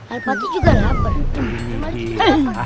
alpati juga lapar